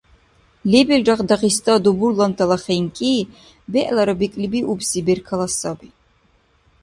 Лебилра Дагъиста дубурлантала хинкӀи - бегӀлара бекӀлибиубси беркала саби.